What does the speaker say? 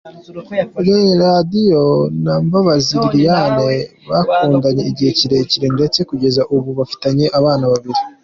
Radio na Mbabazi Lilian bakundanye igihe kirekire ndetse kugeza ubu bafitanye abana babiri.